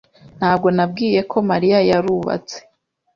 Ntabwo nabwiye ko Mariya yarubatse.